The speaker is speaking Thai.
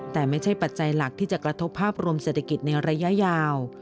แต่ไม่ใช่ปัจจัยหลักที่จะกระทบภาพรวมเศรษฐกิจในระยะยาว